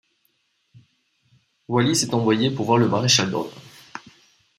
Wallis est envoyé pour voir le maréchal Daun.